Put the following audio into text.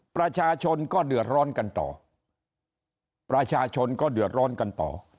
ประชาชนก็เดือดร้อนกันต่อประชาชนก็เดือดร้อนกันต่อ